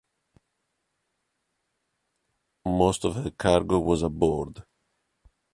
Most of her cargo was aboard.